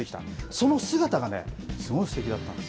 その姿がね、すごいすてきだったんです。